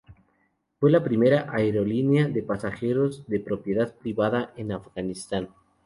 Fue la primera aerolínea de pasajeros de propiedad privada en Afganistán.